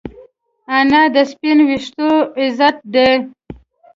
انا د سپین ویښتو عزت ده